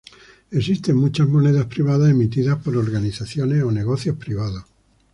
Existen muchas monedas privadas emitidas por organizaciones o negocios privados.